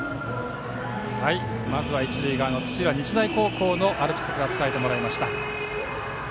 まずは一塁側の土浦日大高校のアルプスから伝えてもらいました。